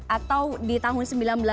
atau di tahun seribu sembilan ratus